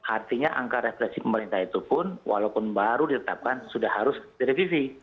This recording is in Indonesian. artinya angka referensi pemerintah itu pun walaupun baru ditetapkan sudah harus direvisi